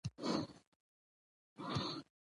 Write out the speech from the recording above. داکتر د میدان څخه راګرځول